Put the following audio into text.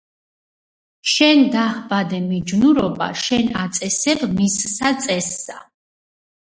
შენ დაჰბადე მიჯნურობა, შენ აწესებ მისსა წესსა